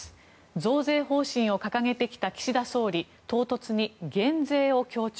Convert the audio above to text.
増税方針を掲げてきた岸田総理唐突に減税を強調。